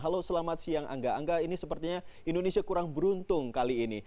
halo selamat siang angga angga ini sepertinya indonesia kurang beruntung kali ini